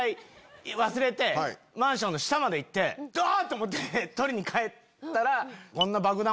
マンションの下まで行ってあっ！と思って取りに帰ったら。